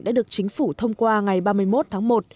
đã được chính phủ thông qua ngày ba mươi một tháng một